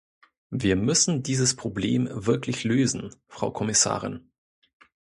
Wir müssen dieses Problem wirklich lösen, Frau Kommissarin.